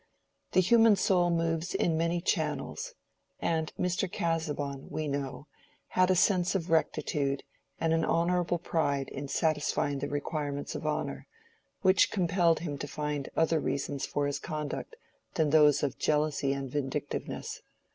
The human soul moves in many channels, and Mr. Casaubon, we know, had a sense of rectitude and an honorable pride in satisfying the requirements of honor, which compelled him to find other reasons for his conduct than those of jealousy and vindictiveness.